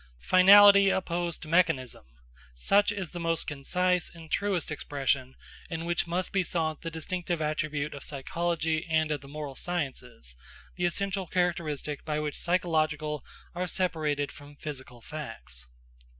Finality opposed to mechanism; such is the most concise and truest expression in which must be sought the distinctive attribute of psychology and of the moral sciences, the essential characteristic by which psychological are separated from physical facts.